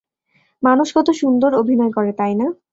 মানুষ কতো সুন্দর অভিনয় করে, তাইনা?